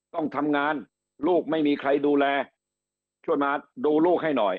ต้องทำงานลูกไม่มีใครดูแลช่วยมาดูลูกให้หน่อย